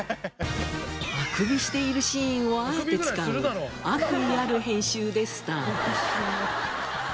あくびしているシーンをあえて使う悪意ある編集でスタート。